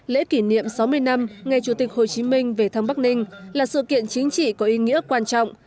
lễ kỷ niệm sáu mươi năm ngày chủ tịch hồ chí minh về thăng bắc ninh là sự kiện chính trị có ý nghĩa quan trọng